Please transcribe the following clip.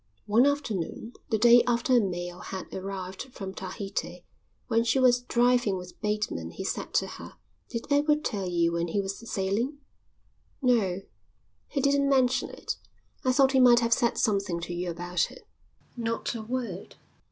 One afternoon, the day after a mail had arrived from Tahiti, when she was driving with Bateman he said to her: "Did Edward tell you when he was sailing?" "No, he didn't mention it. I thought he might have said something to you about it." "Not a word."